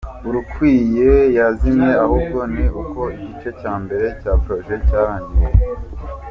urukwiye yazimye, ahubwo ni uko igice cya mbere cya projet cyarangiye, ubu.